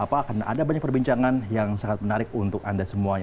apa akan ada banyak perbincangan yang sangat menarik untuk anda semuanya